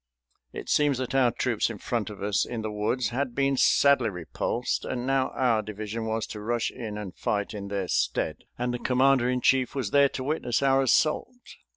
It seems that our troops in front of us in the woods had been sadly repulsed, and now our division was to rush in and fight in their stead, and the commander in chief was there to witness our assault.